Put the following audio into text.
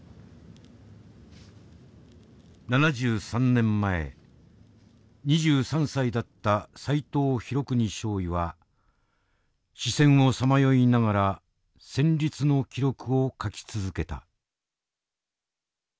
７３年前２３歳だった齋藤博圀少尉は死線をさまよいながら戦慄の記録を書き続けた。